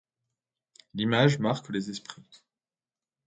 L'image marque les esprits.